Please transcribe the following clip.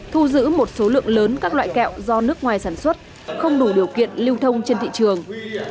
thu giữ một số lượng lớn các loại kẹo do nước ngoài sản xuất không đủ điều kiện lưu thông trên thị trường